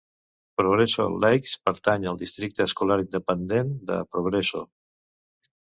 Progreso Lakes pertany al districte escolar independent de Progreso.